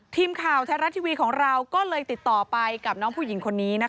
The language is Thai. ทีมข่าวไทยรัฐทีวีของเราก็เลยติดต่อไปกับน้องผู้หญิงคนนี้